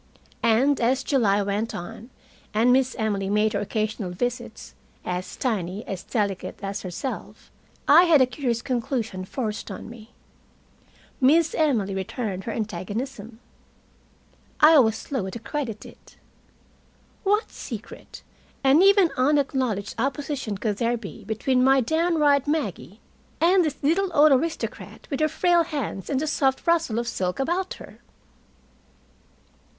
And, as July went on, and Miss Emily made her occasional visits, as tiny, as delicate as herself, I had a curious conclusion forced on me. Miss Emily returned her antagonism. I was slow to credit it. What secret and even unacknowledged opposition could there be between my downright Maggie and this little old aristocrat with her frail hands and the soft rustle of silk about her?